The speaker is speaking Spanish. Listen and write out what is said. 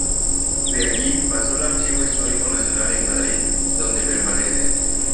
De allí, pasó al Archivo Histórico Nacional en Madrid, donde permanece.